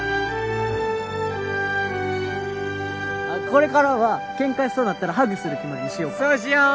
これからはケンカしそうになったらハグする決まりにしようか・そうしよう！